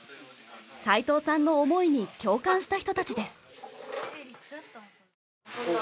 齊藤さんの思いに共感した人たちです。